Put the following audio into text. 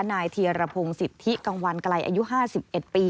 นายเทียระพงศิษฐิกังวันไกลอายุ๕๑ปี